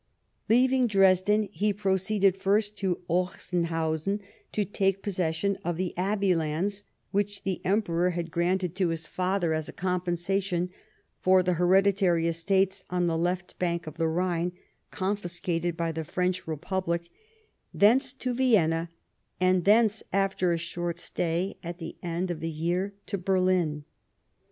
Leaving Dresden, he proceeded first to Ochsenhausen, to take possession of the abbey lands which the Emperor had granted to his father as a com pensation for the hereditary estates on the left bank of the Ehine confiscated by the French Eepublic ; thence to Vienna ; and thence, after a short stay, at the end of the year, to Berlin.